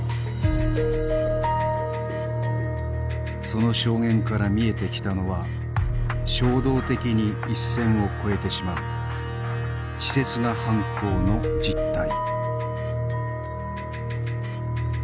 その証言から見えてきたのは衝動的に一線を越えてしまう稚拙な犯行の実態。